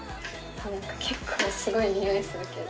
何か結構すごいにおいするけど。